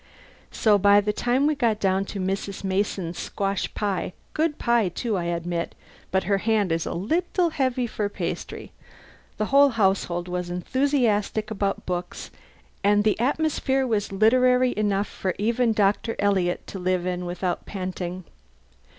So by the time we got down to Mrs. Mason's squash pie (good pie, too, I admit, but her hand is a little heavy for pastry), the whole household was enthusiastic about books, and the atmosphere was literary enough for even Dr. Eliot to live in without panting.